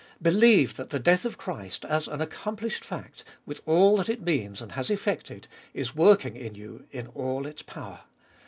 Believe that the death of Christ, as an accomplished fact, with all that it means and has effected, is working in you in all its power.